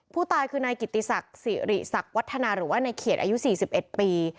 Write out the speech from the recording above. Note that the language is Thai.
ผู้ตายคือนายกิติศักดิ์สิริสักวัฒนาหรือว่าในเขตอายุ๔๑ปี